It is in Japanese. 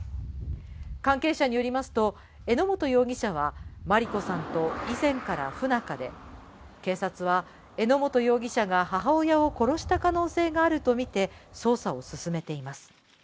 関係者によりますと、榎本容疑者は萬里子さんと以前から不仲で、警察は榎本容疑者が母親を殺した可能性があるとみて捜査を進めています。